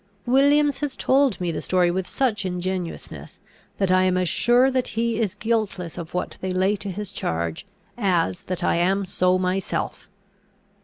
Williams has told me the story with such ingenuousness, that I am as sure that he is guiltless of what they lay to his charge, as that I am so myself.